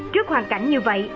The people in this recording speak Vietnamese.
trước hoàn cảnh như vậy